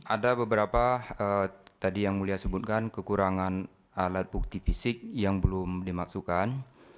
ada beberapa tadi yang mulia sebutkan kekurangan alat bukti fisik yang belum dimaksudkan